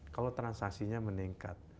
kalau transaksinya meningkat